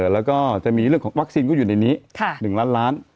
แล้วก็จะมีเรื่องของวัคซีนก็อยู่ในนี้๑ล้านล้าน